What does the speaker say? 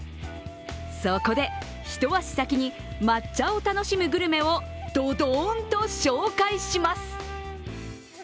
そこでひと足先に抹茶を楽しむグルメをどどんと紹介します。